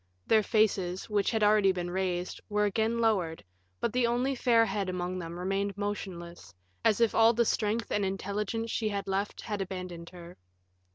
Their faces, which had already been raised, were again lowered, but the only fair head among them remained motionless, as if all the strength and intelligence she had left had abandoned her.